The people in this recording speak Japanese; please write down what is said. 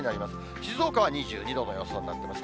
静岡は２２度の予想になってますね。